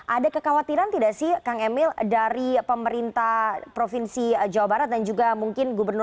ada kekhawatiran tidak sih kang emil dari pemerintah provinsi jawa barat dan juga mungkin gubernur